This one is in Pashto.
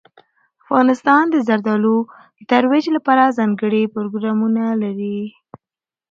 افغانستان د زردالو د ترویج لپاره ځانګړي پروګرامونه لري.